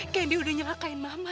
candy udah nyelakain mama